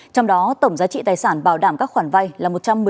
trong đó tổng giá trị tài sản bảo đảm các khoản vay là